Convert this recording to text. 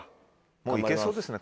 もう行けそうですね